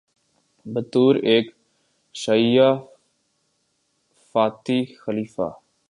بطور ایک شیعہ فاطمی خلیفہ